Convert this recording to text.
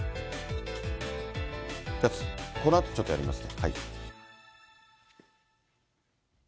このあとちょっとやります。